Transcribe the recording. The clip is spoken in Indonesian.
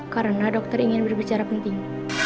karena dokter ingin berbicara penting